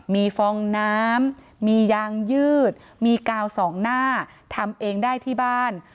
มีฟองน้ำมียางยืดมีกาวสองหน้าทำเองได้ที่บ้าน